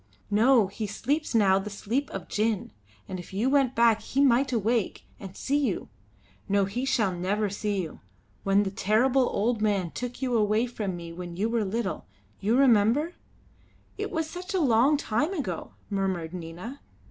"No, he sleeps now the sleep of gin; and if you went back he might awake and see you. No, he shall never see you. When the terrible old man took you away from me when you were little, you remember " "It was such a long time ago," murmured Nina.